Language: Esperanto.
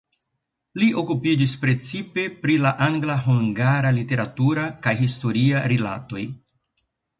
Li okupiĝis precipe pri la angla-hungara literatura kaj historia rilatoj.